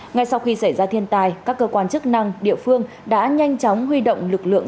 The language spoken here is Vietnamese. ngay sau khi xảy ra thiên tai các cơ quan chức năng địa phương đã nhanh chóng huy động lực lượng